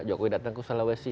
jokowi datang ke sulawesi